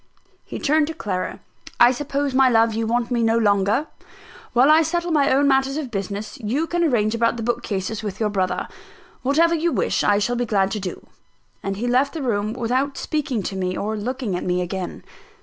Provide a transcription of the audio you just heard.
He turned to Clara. "I suppose, my love, you want me no longer. While I settle my own matters of business, you can arrange about the bookcases with your brother. Whatever you wish, I shall be glad to do." And he left the room without speaking to me, or looking at me again.